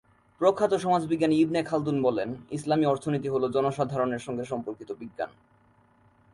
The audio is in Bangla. প্রখ্যাত সমাজ বিজ্ঞানী ইবনে খালদুন বলেন- ইসলামি অর্থনীতি হলো জনসাধারণের সাথে সম্পর্কিত বিজ্ঞান।